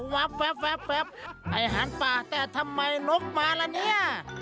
วับไอ้หันป่าแต่ทำไมนกมาล่ะเนี่ย